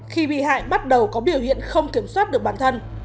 khi bị hại bắt đầu có biểu hiện không kiểm soát được bản thân